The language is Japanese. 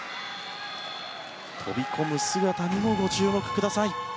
飛び込む姿にもご注目ください。